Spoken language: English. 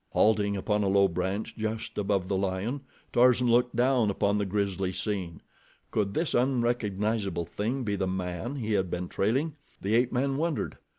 Halting upon a low branch just above the lion Tarzan looked down upon the grisly scene. Could this unrecognizable thing be the man he had been trailing? The ape man wondered.